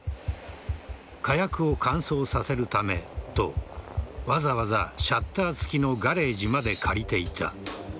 火薬を乾燥させるためとわざわざシャッター付きのガレージまで借りていた。